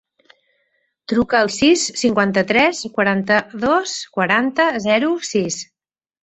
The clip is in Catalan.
Truca al sis, cinquanta-tres, quaranta-dos, quaranta, zero, sis.